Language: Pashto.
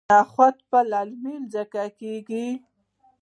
نخود په للمي ځمکو کې کیږي.